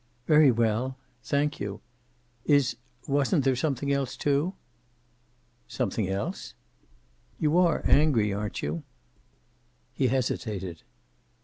"Very well. Thank you. Is wasn't there something else, too?" "Something else?" "You are angry, aren't you?" He hesitated.